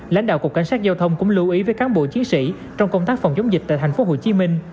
lãnh đạo cục cảnh sát giao thông cũng lưu ý với cán bộ chiến sĩ trong công tác phòng chống dịch tại tp hcm